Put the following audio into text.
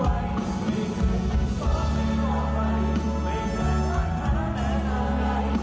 ไม่เคยเป็นเพราะไม่ก่อนไปไม่เคยค่ายค้าแน่นอนใด